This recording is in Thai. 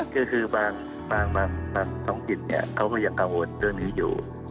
คือคือบางท๊กเนี้ยเขาก็ยังกลัวโหดเรื่องที่อยู่